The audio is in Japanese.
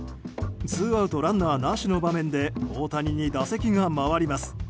ツーアウトランナーなしの場面で大谷に打席が回ります。